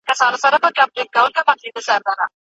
استاد باید په خپل غوره سوي مسلک کي ماهر وي.